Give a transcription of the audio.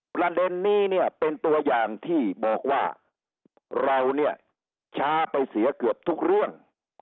ประเด็นนี้เนี่ยเป็นตัวอย่างที่บอกว่าเราเนี่ยช้าไปเสียเกือบทุกเรื่อง